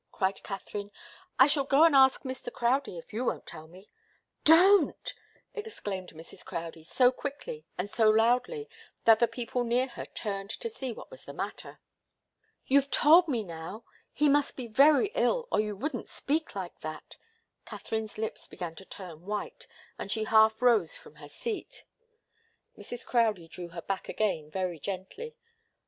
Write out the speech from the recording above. cried Katharine. "I shall go and ask Mr. Crowdie if you won't tell me." "Don't!" exclaimed Mrs. Crowdie, so quickly and so loudly that the people near her turned to see what was the matter. "You've told me, now he must be very ill, or you wouldn't speak like that!" Katharine's lips began to turn white, and she half rose from her seat. Mrs. Crowdie drew her back again very gently.